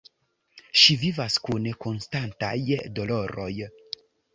Ŝi vivas kun konstantaj doloroj.